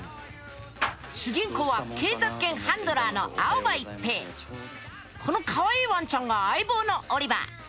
主人公は警察犬ハンドラーのこのかわいいワンちゃんが相棒のオリバー。